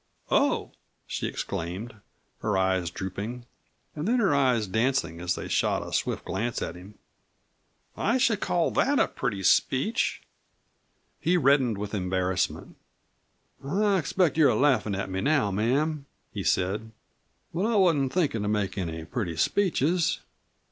"Oh!" she exclaimed, her eyes drooping. And then, her eyes dancing as they shot a swift glance at him "I should call that a pretty speech." He reddened with embarrassment. "I expect you are laughin' at me now, ma'am," he said. "But I wasn't thinkin' to make any pretty speeches.